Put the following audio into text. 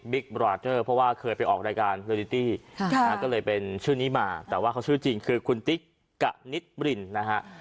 บราเตอร์เพราะว่าเคยไปออกรายการเรดิตี้ก็เลยเป็นชื่อนี้มาแต่ว่าเขาชื่อจริงคือคุณติ๊กกะนิดบรินนะฮะ